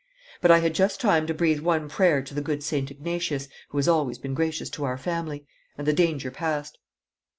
But I had just time to breathe one prayer to the good Saint Ignatius, who has always been gracious to our family, and the danger passed.